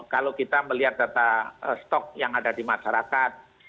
kalau kita melihat data stok yang ada di masyarakat